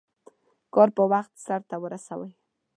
کار په وخت سرته ورسوئ.